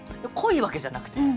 濃いわけじゃなくて。